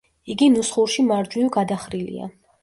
იგი ნუსხურში მარჯვნივ გადახრილია.